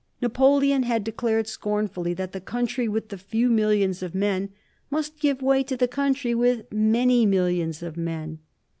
Napoleon had declared scornfully that the country with the few millions of men must give way to the country with many millions of men.